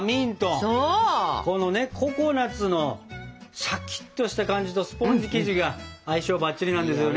このねココナツのシャキッとした感じとスポンジ生地が相性バッチリなんですよね。